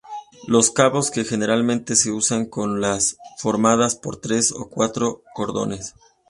Los cabos que generalmente se usan son los formados por tres o cuatro cordones.